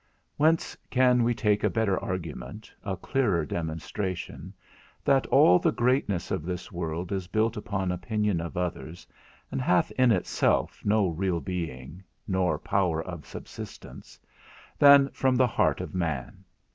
Whence can we take a better argument, a clearer demonstration, that all the greatness of this world is built upon opinion of others and hath in itself no real being, nor power of subsistence, than from the heart of man?